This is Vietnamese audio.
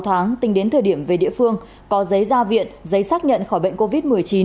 sáu tháng tính đến thời điểm về địa phương có giấy ra viện giấy xác nhận khỏi bệnh covid một mươi chín